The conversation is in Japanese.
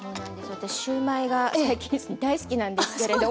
私シューマイが最近大好きなんですけれども。